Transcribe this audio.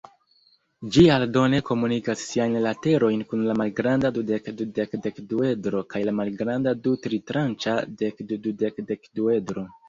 Ĝi aldone komunigas siajn laterojn kun la malgranda dudek-dudek-dekduedro kaj la malgranda du-tritranĉa dekdu-dudek-dekduedro.